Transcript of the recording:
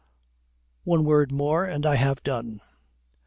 One word more and I have done.